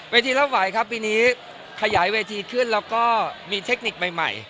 ทีรับไหวครับปีนี้ขยายเวทีขึ้นแล้วก็มีเทคนิคใหม่